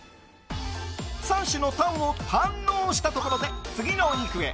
３種のたんを堪能したところで次のお肉へ。